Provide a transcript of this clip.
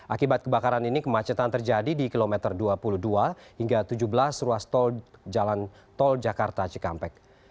akibat kebakaran ini kemacetan terjadi di kilometer dua puluh dua hingga tujuh belas ruas tol jalan tol jakarta cikampek